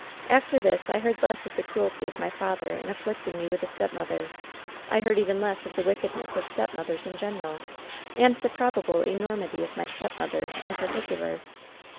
"After this I heard less of the cruelty of my father in afflicting me with a stepmother. I heard even less of the wickedness of stepmothers in general and the proba ble enormity of my stepmother in particular.